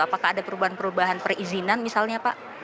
apakah ada perubahan perubahan perizinan misalnya pak